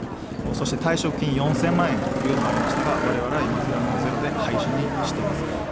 そして退職金４０００万円というのがありましたがわれわれはいま、ゼロで廃止にしています。